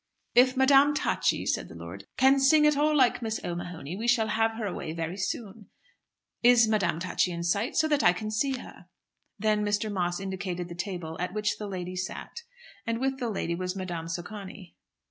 "If Madame Tacchi," said the lord, "can sing at all like Miss O'Mahony, we shall have her away very soon. Is Madame Tacchi in sight, so that I can see her?" Then Mr. Moss indicated the table at which the lady sat, and with the lady was Madame Socani.